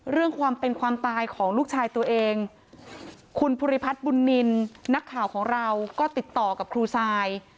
เรื่องความเป็นความตายของลูกชายตัวเองคุณภูริพัฒน์บุญนินนักข่าวของเราก็ติดต่อกับครูทราย